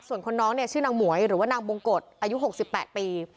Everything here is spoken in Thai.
ส่วนคนน้องเนี่ยชื่อนางหมวยหรือว่านางบงกฎอายุ๖๘ปี